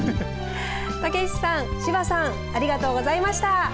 武石さん、柴さんありがとうございました。